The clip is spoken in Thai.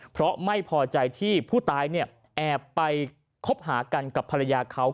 เพราะไม่พอใจที่ผู้ตายแอบไปคบหากันกับภรรยาเขา